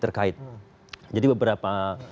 terkait jadi beberapa